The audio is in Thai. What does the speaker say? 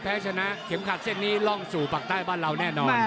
แพ้ชนะเข็มขาดเส้นนี้ล่อยสูอาวิสบังใต้บ้านเราแน่นอน